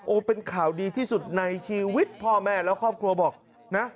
เป็นข่าวดีที่สุดในชีวิตพ่อแม่แล้วครอบครัวบอกนะ